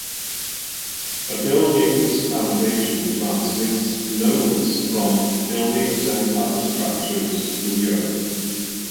A building's foundation transmits loads from buildings and other structures to the earth.